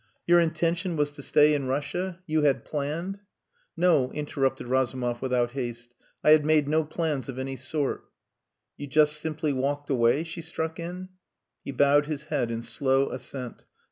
"Your intention was to stay in Russia? You had planned...." "No," interrupted Razumov without haste. "I had made no plans of any sort." "You just simply walked away?" she struck in. He bowed his head in slow assent.